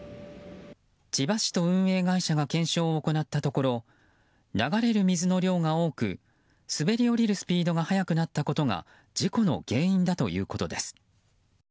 千葉市と運営会社が検証を行ったところ流れる水の量が多く滑り降りるスピードが速くなったことが事故の原因だということです。